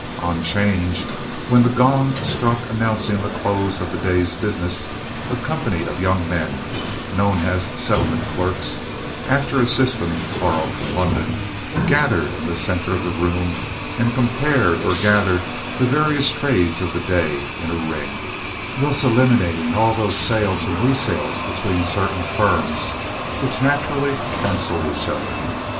"On 'change," when the gong struck announcing the close of the day's business, a company of young men, known as "settlement clerks," after a system borrowed from London, gathered in the center of the room and compared or gathered the various trades of the day in a ring, thus eliminating all those sales and resales between certain firms which naturally canceled each other.